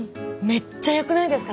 めっちゃよくないですか？